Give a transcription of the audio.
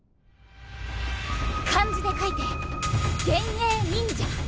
漢字で書いて幻影忍者。